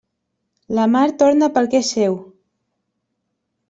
La mar torna pel que és seu.